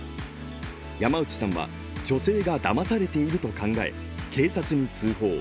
山内さんは、女性がだまされていると考え、警察に通報。